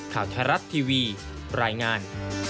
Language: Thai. ข่าวไทยรัฐทีวีรายงาน